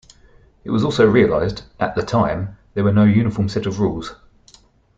It was also realized, at that time, there were no uniform set of rules.